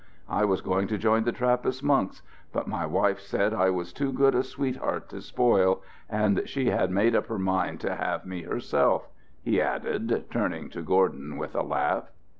I was going to join the Trappist monks, but my wife said I was too good a sweetheart to spoil, and she had made up her mind to have me herself," he added, turning to Gordon with a laugh.